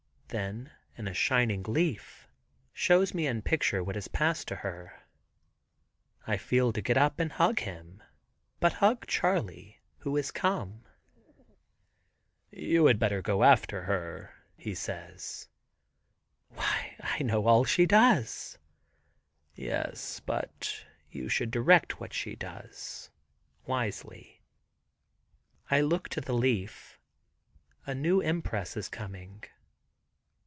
Then in a shining leaf shows me in picture what has passed to her. I feel to get up and hug him. But hug Charley who is come. "You had better go after her," he says. "Why, I know all she does." "Yes, but you should direct what she does," wisely. I look to the leaf. A new impress is coming.